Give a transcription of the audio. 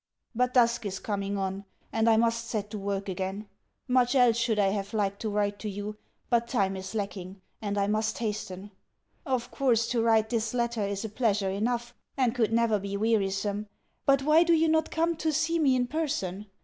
But dusk is coming on, and I must set to work again. Much else should I have liked to write to you, but time is lacking, and I must hasten. Of course, to write this letter is a pleasure enough, and could never be wearisome; but why do you not come to see me in person?